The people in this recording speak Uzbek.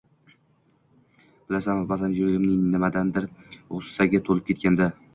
Bilasanmi... ba’zan yuraging nimadandir g‘ussaga to'lib ketganda